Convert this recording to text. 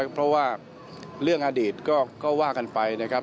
เพราะว่าเรื่องอดีตก็ว่ากันไปนะครับ